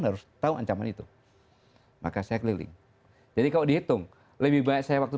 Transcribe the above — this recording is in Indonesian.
harus tahu ancaman itu maka saya keliling jadi kalau dihitung lebih baik saya waktu